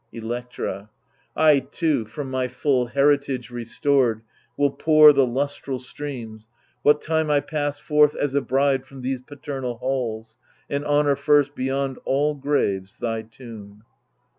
Electra I too, from my full heritage restored, Will pour the lustral streams, what time I pass Forth as a bride from these paternal halls. And honour first, beyond all graves, thy tomb.